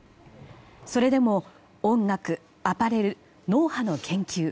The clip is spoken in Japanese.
それでも音楽、アパレル、脳波の研究。